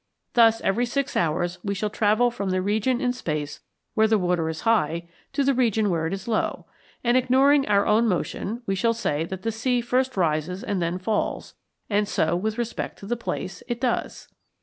Thus every six hours we shall travel from the region in space where the water is high to the region where it is low; and ignoring our own motion we shall say that the sea first rises and then falls; and so, with respect to the place, it does.